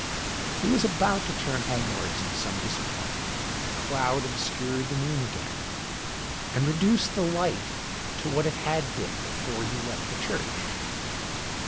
He was about to turn homewards in some disappointment, when a cloud obscured the moon again, and reduced the light to what it had been before he left the Church.